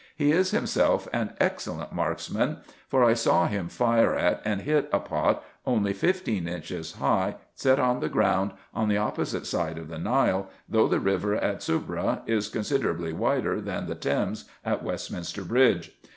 He is himself an excellent marksman ; for I saw him fire at and hit a pot only fifteen inches high, set on the ground on the opposite side of the Nile, though the river at Soubra is considerably wider than the Thames at Westminster Bridge.